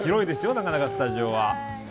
なかなかスタジオは。